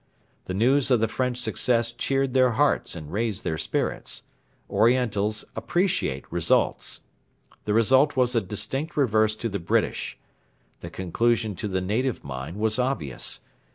The news of the French success cheered their hearts and raised their spirits. Orientals appreciate results. The result was a distinct reverse to the British. The conclusion to the native mind was obvious.